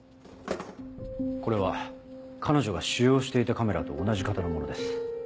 これは彼女が使用していたカメラと同じ型のものです。